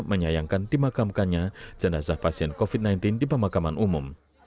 menyayangkan dimakamkannya jenazah pasien covid sembilan belas di pemakaman umum